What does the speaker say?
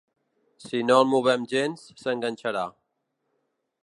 Si no el movem gens, s'enganxarà.